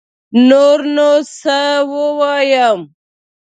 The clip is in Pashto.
نور نو سه ووايم